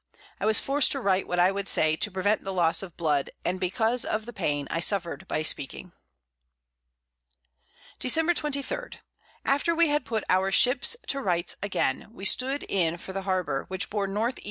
I was forced to write what I would say, to prevent the Loss of Blood, and because of the Pain I suffer'd by speaking. Dec. 23. After we had put our Ships to rights again, we stood in for the Harbour, which bore N.E.